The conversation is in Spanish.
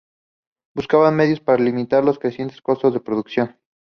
Buscaban medios para limitar los crecientes costos de producción.